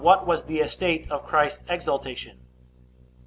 What was the estate of Christ's exaltation?